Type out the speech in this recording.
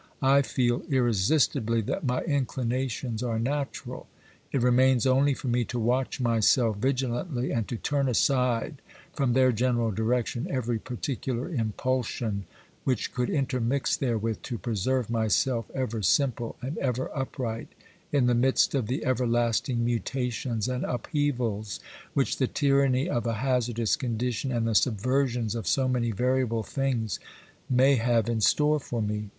I feel irresistibly that my inchnations are natural ; it remains only for me to watch myself vigilantly, and to turn aside from their general direction every particular impulsion which could intermix therewith, to preserve myself ever simple and ever upright in the midst of the everlasting mutations and upheavals which the tyranny of a hazardous condition and the subversions of so many variable things may have in store for me.